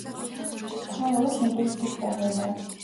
Та үр хөндүүлэх гэж байгаа юм уу?